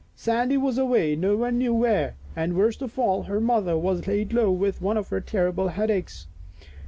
Sandy was away, no one knew where, and, worst of all, her mother was laid low with one of her terrible headaches.